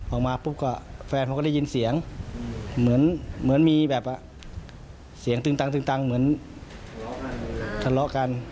ออกมาปุ๊บก็แฟนผมก็ได้ยินเสียงเหมือนมีแบบเสียงตึงตังตึงตังเหมือนทะเลาะกัน